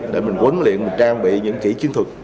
để mình huấn luyện mình trang bị những kỹ chiến thuật